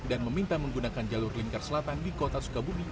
dan meminta menggunakan jalur lingkar selatan di kota sukabumi